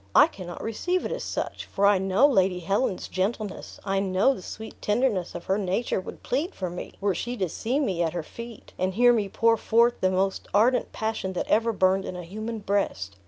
I cannot receive it as such, for I know Lady Helen's gentleness, I know the sweet tenderness of her nature would plead for me, were she to see me at her feet, and hear me pour forth the most ardent passion that ever burned in a human breast.